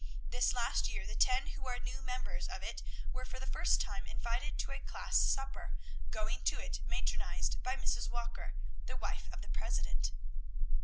This last year the ten who are new members of it were for the first time invited to a class supper, going to it matronized by Mrs. Walker, the wife of the president.